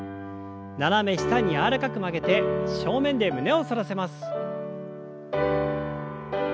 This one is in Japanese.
斜め下に柔らかく曲げて正面で胸を反らせます。